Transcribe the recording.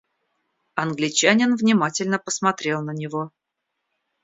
Англичанин внимательно посмотрел на него.